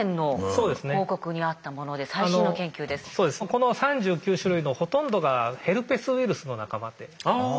この３９種類のほとんどがヘルペスウイルスの仲間で。